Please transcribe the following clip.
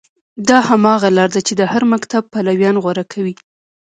دا هماغه لاره ده چې د هر مکتب پلویان غوره کوي.